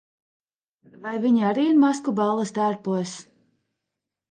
Vai viņi arī ir maskuballes tērpos?